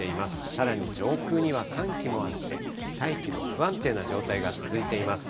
さらに上空には寒気もあって、大気の不安定な状態が続いています。